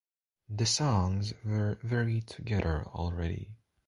The songs were very together already.